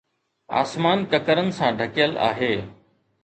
آسمان ڪڪرن سان ڍڪيل آهي